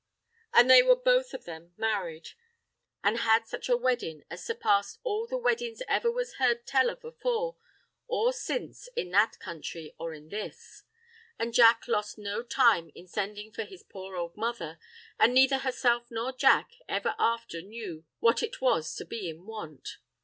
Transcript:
An' they were both of them marrid, an' had such a weddin' as surpassed all the weddin's ever was heerd tell of afore or since in that country or in this. An' Jack lost no time in sendin' for his poor ould mother, an' neither herself nor Jack ever after knew what it was to be in want.